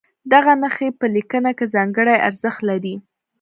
دغه نښې په لیکنه کې ځانګړی ارزښت لري.